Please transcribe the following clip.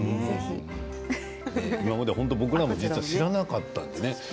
今まで僕らも知らなかったんですよ。